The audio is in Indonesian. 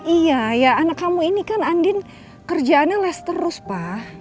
iya ya anak kamu ini kan andin kerjaannya les terus pak